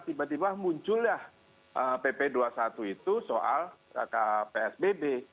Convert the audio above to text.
tiba tiba muncullah pp dua puluh satu itu soal psbb